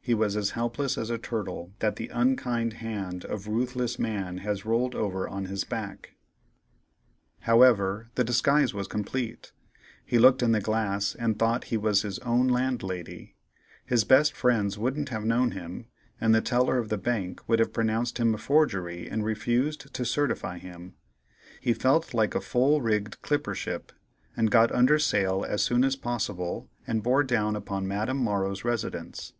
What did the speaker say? He was as helpless as a turtle that the unkind hand of ruthless man has rolled over on his back. However, the disguise was complete; he looked in the glass and thought he was his own landlady; his best friends wouldn't have known him, and the teller of the bank would have pronounced him a forgery and refused to certify him; he felt like a full rigged clipper ship, and got under sail as soon as possible and bore down upon Madame Morrow's residence.